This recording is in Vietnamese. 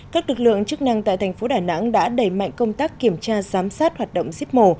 các lực lượng chức năng tại thành phố đà nẵng đã đẩy mạnh công tác kiểm tra giám sát hoạt động giết mổ